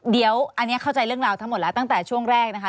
เดี๋ยวอันนี้เข้าใจเรื่องราวทั้งหมดแล้วตั้งแต่ช่วงแรกนะคะ